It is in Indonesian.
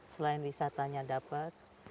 selain wisatanya dapat